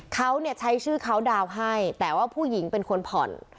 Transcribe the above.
เขาเนี่ยใช้ชื่อเขาดาวน์ให้แต่ว่าผู้หญิงเป็นคนผ่อน